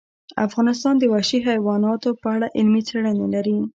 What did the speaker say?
افغانستان د وحشي حیوانات په اړه علمي څېړنې لري.